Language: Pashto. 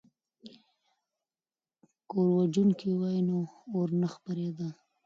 که اوروژونکي وي نو اور نه خپریږي.